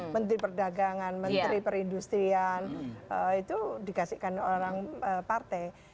menteri perdagangan menteri perindustrian itu dikasihkan orang partai